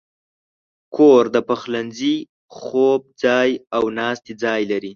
کور د پخلنځي، خوب ځای، او ناستې ځای لري.